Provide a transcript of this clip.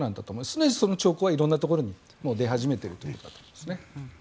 すでにその兆候は色んなところに出始めているんだと思いますね。